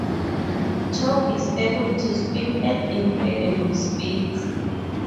Top is able to spin at incredible speeds.